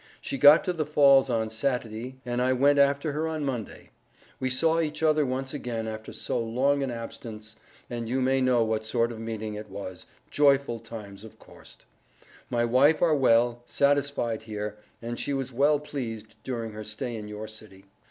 She got to the falls on Sat'dy and I went after her on Monday. We saw each other once again after so long an Abstance, you may know what sort of metting it was, joyful times of corst. My wife are well Satisfied here, and she was well Pleased during her stay in your city.